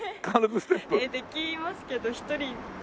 できますけど一人で。